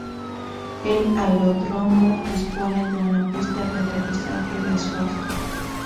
El aeródromo dispone de una pista de aterrizaje de asfalto.